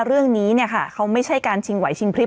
เรื่องนี้เนี่ยค่ะเขาไม่ใช่การชิงไหวชิงพลิ